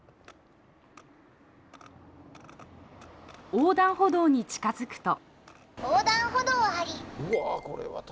横断歩道に近づくと。